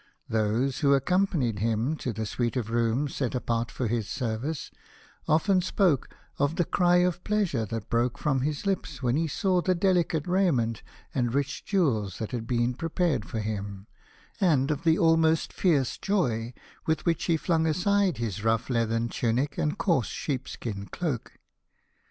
Those who accompanied him to the suite of rooms set apart for his service, often spoke of the cry of pleasure that broke from his lips when he saw the delicate raiment and rich jewels that had been prepared for him, and of the almost fierce joy with which he flung aside his rough leathern tunic and coarse sheepskin cloak.